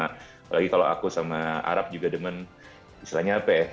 apalagi kalau aku sama arap juga demen misalnya apa ya